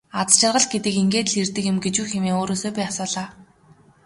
Аз жаргал гэдэг ингээд л ирдэг юм гэж үү хэмээн өөрөөсөө би асуулаа.